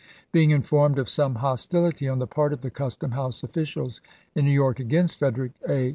Being informed of some hostility on the part of the custom house officials in New York against Frederick A.